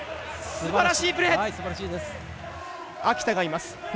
すばらしいプレー！